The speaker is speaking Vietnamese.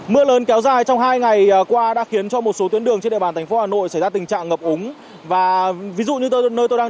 mưa lần kéo dài trong hai ngày qua đã khiến cho một số tuyến đường trên địa bàn thành phố hà nội xảy ra tình trạng ngập úng